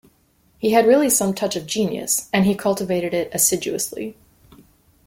He had really some touch of genius, and he cultivated it assiduously.